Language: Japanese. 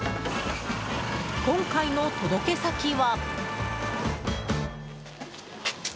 今回の届け先は。